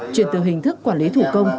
chuyển từ hình thức quản lý thủ công